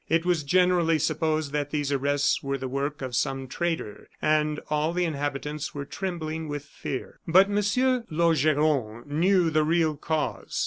It was generally supposed that these arrests were the work of some traitor, and all the inhabitants were trembling with fear. But M. Laugeron knew the real cause.